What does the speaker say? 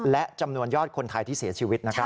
และจำนวนยอดคนไทยที่เสียชีวิตนะครับ